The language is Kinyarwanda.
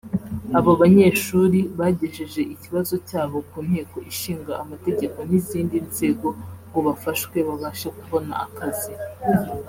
Abo banyeshuri bagejeje ikibazo cyabo ku Nteko Ishinga Amategeko n’izindi nzego ngo bafashwe babashe kubona akazi